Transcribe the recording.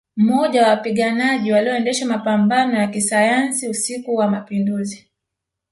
Mmoja wa wapiganaji walioendesha mapambano ya kisayansi usiku wa Mapinduzi